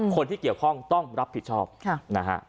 คนที่เกี่ยวข้องต้องรับผิดชอบนะฮะ